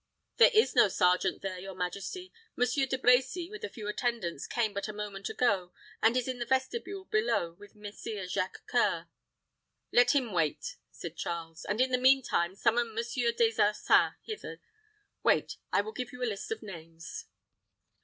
"There is no sergeant there, your majesty. Monsieur De Brecy, with a few attendants, came but a moment ago, and is in the vestibule below with Messire Jacques C[oe]ur." "Let him wait," said Charles; "and, in the mean time, summon Monsieur Des Ursins hither. Wait; I will give you a list of names."